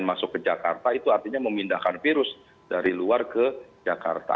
dan masuk ke jakarta itu artinya memindahkan virus dari luar ke jakarta